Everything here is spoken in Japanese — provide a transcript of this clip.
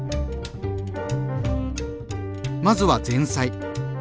まずは前菜。